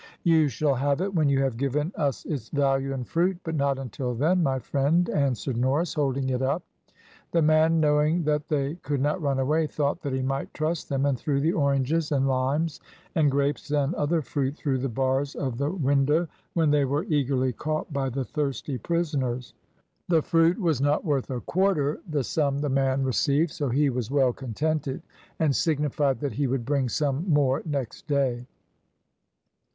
"You shall have it when you have given us its value in fruit, but not until then, my friend," answered Norris, holding it up. The man, knowing that they could not run away, thought that he might trust them, and threw the oranges, and limes, and grapes, and other fruit through the bars of the window, when they were eagerly caught by the thirsty prisoners. The fruit was not worth a quarter the sum the man received, so he was well contented, and signified that he would bring some more next day.